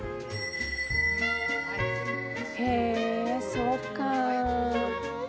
へえそっか。